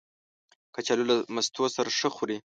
کچالو له مستو سره ښه خوري